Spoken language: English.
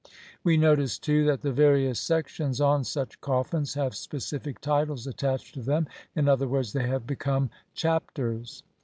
We notice, too, that the various sections on such coffins have specific titles attached to them, in other words they have become "Chapters".